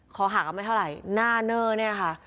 คอหักไม่เท่าไหร่หน้าเนอร์เนี่ยค่ะ